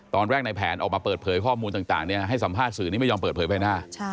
ในแผนออกมาเปิดเผยข้อมูลต่างให้สัมภาษณ์สื่อนี้ไม่ยอมเปิดเผยภายหน้า